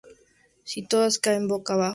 Si todas caen boca abajo, se mueven seis.